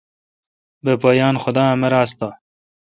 بہ پا یان خدا امر آس تہ۔